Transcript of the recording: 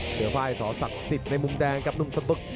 ไฟล์สอศักดิ์สิทธิ์ในมุมแดงกับหนุ่มสตึก